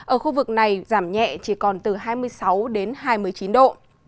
ở khu vực này giảm nhẹ chỉ còn từ hai mươi sáu đến hai mươi chín độ